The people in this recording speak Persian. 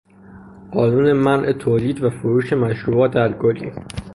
قانون منع تولید و فروش مشروبات الکلی